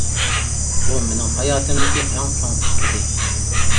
بۇ مېنىڭ ھاياتىمدىكى ئەڭ چوڭ ئىش ئىدى.